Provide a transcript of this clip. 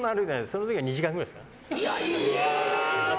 その時は２時間くらいです。